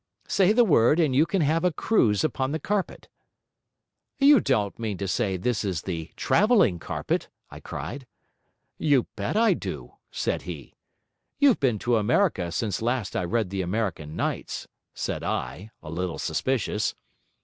Say the word, and you can have a cruise upon the carpet." "You don't mean to say this is the Travelling Carpet?" I cried. "You bet I do," said he. "You've been to America since last I read the Arabian Nights," said I, a little suspicious.